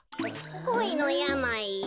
こいのやまい？